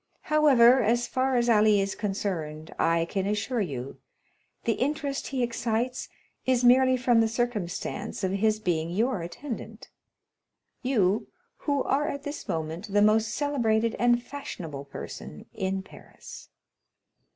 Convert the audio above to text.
However, as far as Ali is concerned, I can assure you, the interest he excites is merely from the circumstance of his being your attendant—you, who are at this moment the most celebrated and fashionable person in Paris."